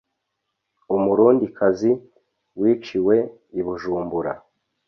Umurundikazi wiciwe i Bujumbura